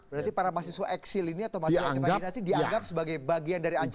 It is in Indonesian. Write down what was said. berarti para mahasiswa eksil ini atau mahasiswa ketandianasi ini dianggap sebagai bagian dari ancaman itu